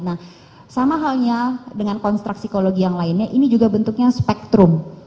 nah sama halnya dengan konstrak psikologi yang lainnya ini juga bentuknya spektrum